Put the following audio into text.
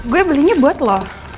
kan gue belinya buat lo